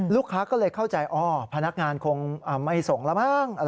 ลูกค้าก็เลยเข้าใจอ๋อพนักงานคงไม่ส่งแล้วมั้ง